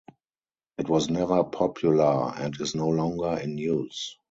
It was never popular and is no longer in use.